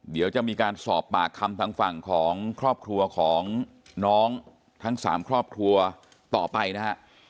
เดี๋ยวจะมีการสอบปากคำทางฝั่งของครอบครัวของน้องทั้ง๓ครอบครัวต่อไปนะฮะ